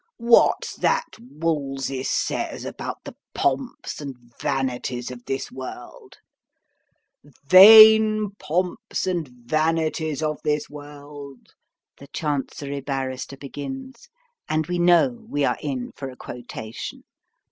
"What's that Wolsey says about the pomps and vanities of this world?" "'Vain pomps and vanities of this world,'" the Chancery Barrister begins, and we know we are in for a quotation.